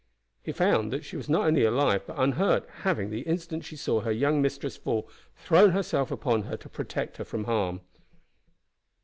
He found that she was not only alive, but unhurt, having, the instant she saw her young mistress fall, thrown herself upon her to protect her from harm.